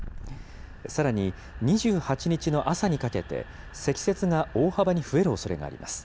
さらに２８日の朝にかけて、積雪が大幅に増えるおそれがあります。